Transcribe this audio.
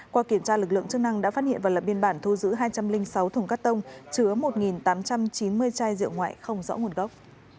qua kiểm tra lực lượng chức năng đã phát hiện và lập biên bản thu giữ hai trăm linh sáu thùng cắt tông chứa một tám trăm chín mươi chai rượu ngoại không rõ nguồn gốc